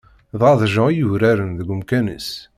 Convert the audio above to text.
Dɣa d Jean i yuraren deg umkan-is.